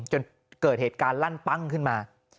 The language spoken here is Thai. จนเกิดเหตุการณ์ลั่นปั้งขึ้นมา